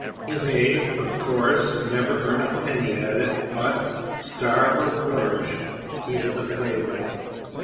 He may, of course, never earn a penny at it but, starve or flourish, he is a playwright.